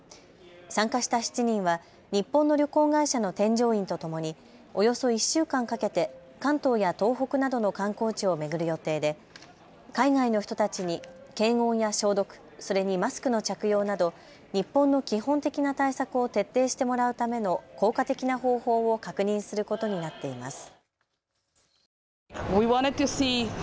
参加した７人は日本の旅行会社の添乗員とともにおよそ１週間かけて関東や東北などの観光地を巡る予定で海外の人たちに検温や消毒、それにマスクの着用など日本の基本的な対策を徹底してもらうための効果的な方法を確認することになっています。